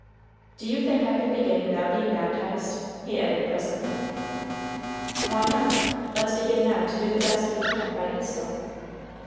"Do you think I could begin without being baptized?" he added presently. "Why not? Let's begin now to do the best we can, by his help."